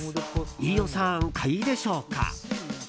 飯尾さん、買いでしょうか？